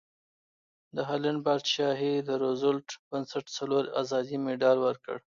د هالنډ پادشاهي د روزولټ بنسټ څلور ازادۍ مډال ورکړ.